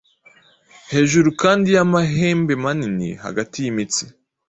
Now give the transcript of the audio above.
Hejuru kandi yamahembemanini hagati yimitsi